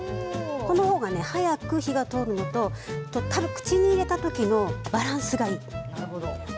この方が早く火が通るのと口に入れた時のバランスがいいんです。